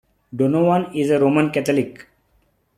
Donovan is a Roman Catholic.